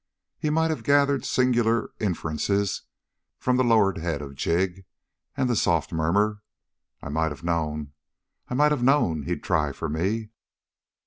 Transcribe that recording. He might have gathered singular inferences from the lowered head of Jig and the soft murmur: "I might have known I might have known he'd try for me."